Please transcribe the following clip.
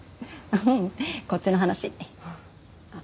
ううんこっちの話あっ